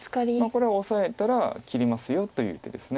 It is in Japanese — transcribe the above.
これオサえたら切りますよという手です。